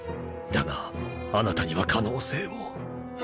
だがあなたには可能性を